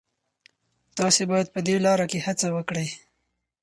تاسي باید په دې لاره کي هڅه وکړئ.